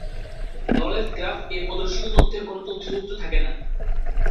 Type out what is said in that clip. Knowledge graph এ প্রদর্শিত তথ্যের কোন তথ্যসূত্র থাকে না।